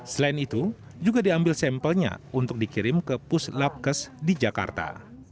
selain itu juga diambil sampelnya untuk dikirim ke puslapkes di jakarta